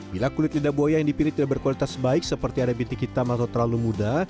bila kulit lidah buaya yang dipilih tidak berkualitas baik seperti ada bintik hitam atau terlalu muda